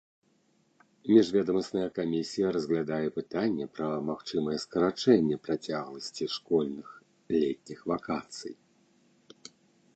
Міжведамасная камісія разглядае пытанне пра магчымае скарачэнне працягласці школьных летніх вакацый.